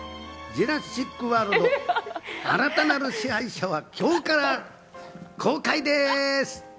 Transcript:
『ジュラシック・ワールド／新たなる支配者』は今日から公開です。